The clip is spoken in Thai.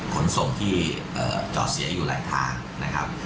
ขนส่งที่จอดเสียอยู่หลายทางนะครับ